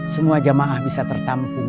semua jamaah bisa tertampung